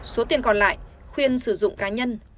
số tiền còn lại khuyên sử dụng cá nhân mua xe